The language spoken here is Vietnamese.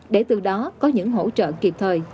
để từ đó có những hỗ trợ kịp thời